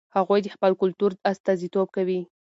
هغوی د خپل کلتور استازیتوب کوي.